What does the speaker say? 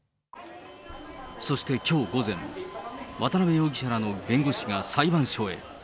そしてきょう午前、渡辺容疑者らの弁護士が裁判所へ。